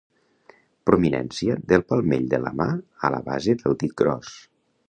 Prominència del palmell de la mà a la base del dit gros.